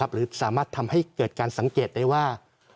หรือสามารถทำให้เกิดการสังเกตได้ว่า